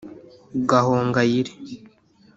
Gahongayire